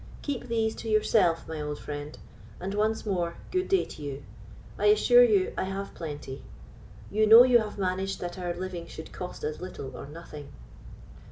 Keep these to yourself, my old friend; and, once more, good day to you. I assure you, I have plenty. You know you have managed that our living should cost us little or nothing."